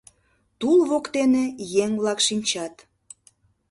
Тул воктене еҥ-влак шинчат.